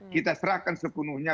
kita serahkan sepenuhnya